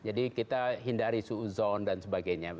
jadi kita hindari suhu zon dan sebagainya